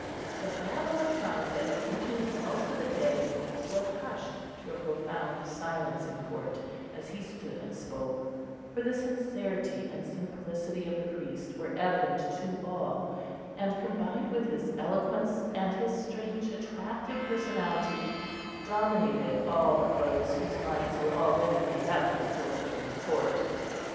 The babble of tongues that had continued most of the day was hushed to a profound silence in court as he stood and spoke, for the sincerity and simplicity of the priest were evident to all, and combined with his eloquence and his strange attractive personality, dominated all but those whose minds were already made up before entering the court.